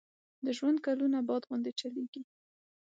د ژوندون کلونه باد غوندي چلیږي